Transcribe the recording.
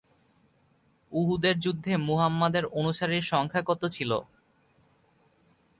উহুদের যুদ্ধে মুহাম্মাদের অনুসারীর সংখ্যা কত ছিল?